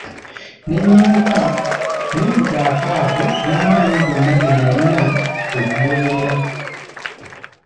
Ne nnyimuka, ne nvuga akaato n'amanyi gonna ge nalina okugoberera.